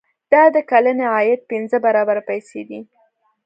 دا د کلني عاید پنځه برابره پیسې دي.